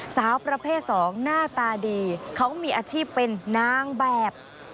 สาวประเภท๒หน้าตาดีเขามีอาชีพเป็นนางแบบ